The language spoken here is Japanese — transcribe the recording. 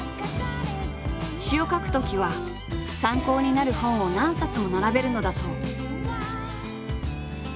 詞を書くときは参考になる本を何冊も並べるのだそう。